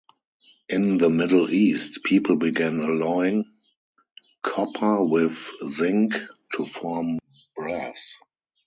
In the Middle East, people began alloying copper with zinc to form brass.